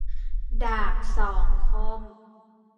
ดาบสองคม